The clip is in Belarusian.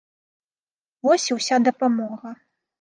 Вось і ўся дапамога.